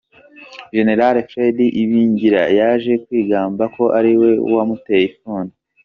Général Fred Ibingira, yaje kwigamba ko ari we wamuteye ifuni.